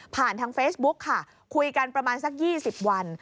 ทางเฟซบุ๊กค่ะคุยกันประมาณสัก๒๐วัน